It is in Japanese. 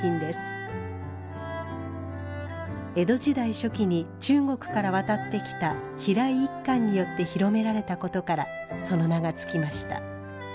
江戸時代初期に中国から渡ってきた飛来一閑によって広められたことからその名が付きました。